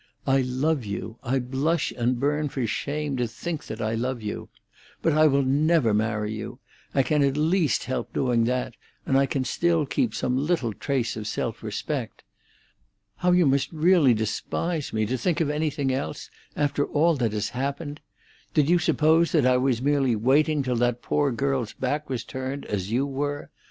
I love you—I blush and burn for shame to think that I love you. But I will never marry you; I can at least help doing that, and I can still keep some little trace of self respect. How you must really despise me, to think of anything else, after all that has happened! Did you suppose that I was merely waiting till that poor girl's back was turned, as you were?